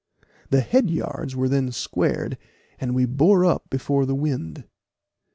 The head yards were then squared, and we bore up before the wind.